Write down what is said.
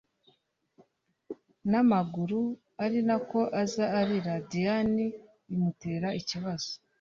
namaguru arinako aza ararira……Diane bimutera ikibazo